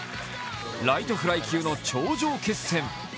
ライトフライ級の頂上決戦。